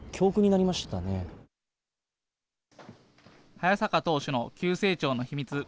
早坂投手の急成長の秘密